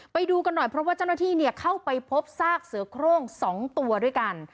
ไปดูกันหน่อยเพราะว่าเจ้าหน้าที่เข้าไปพบซากเสือโครง๒ตัวด้วยกัน